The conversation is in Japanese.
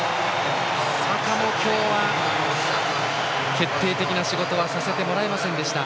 サカも今日は決定的な仕事はさせてもらえませんでした。